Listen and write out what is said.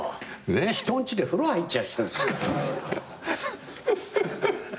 人んちで風呂入っちゃう人ですから。